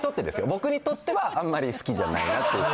僕にとってはあんまり好きじゃないなっていう。